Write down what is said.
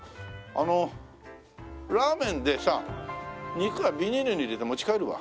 あのラーメンでさ肉はビニールに入れて持ち帰るわ。